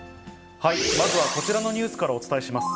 まずはこちらのニュースからお伝えします。